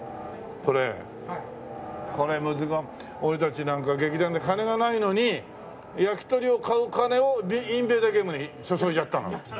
これ俺たちなんか劇団で金がないのに焼き鳥を買う金をインベーダーゲームに注いじゃったの。